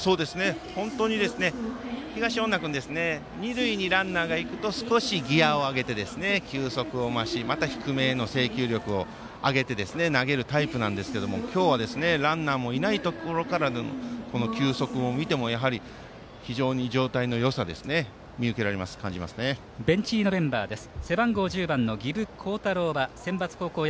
本当に東恩納君二塁にランナーがいくと少しギヤを上げて球速を増しまた低めへの制球力を上げて投げるタイプなんですが今日はランナーのいないところからの球速を見ても非常に状態のよさがベンチ入りのメンバーです。